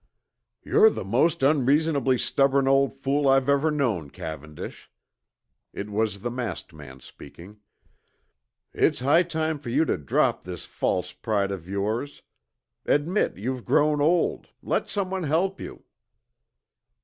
"You're the most unreasonably stubborn old fool I've ever known, Cavendish." It was the masked man speaking. "It's high time for you to drop this false pride of yours; admit you've grown old, let someone help you.